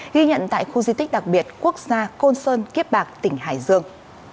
ghi nhận tại khu di tích đặc biệt quốc gia côn sơn kiếp bạc tỉnh hải dương